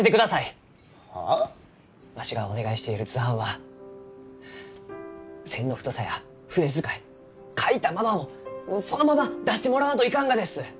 わしがお願いしている図版は線の太さや筆遣い描いたままをそのまま出してもらわんといかんがです！